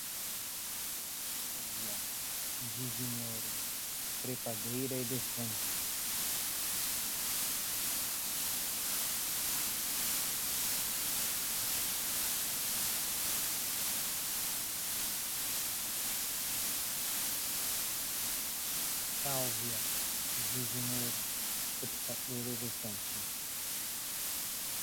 salvia divinorum, trepadeira elefante